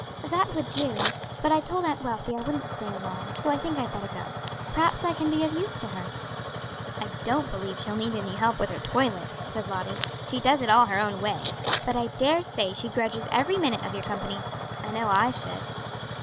"That would do; but I told Aunt Wealthy I wouldn't stay long; so I think I'd better go. Perhaps I can be of use to her." "I don't believe she'll need any help with her toilet," said Lottie, "she does it all her own way; but I daresay she grudges every minute of your company. I know I should.